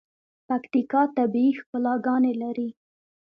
پکیتکا طبیعی ښکلاګاني لري.